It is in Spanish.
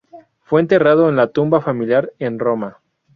Fue enterrado en la tumba familiar en Roma.